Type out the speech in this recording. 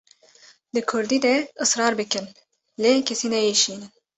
Di kurdî de israr bikin lê kesî neêşînin.